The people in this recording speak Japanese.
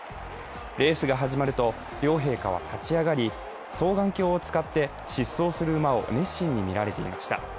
レースが始まると、両陛下は立ち上がり、双眼鏡を使って疾走する馬を熱心に見られていました。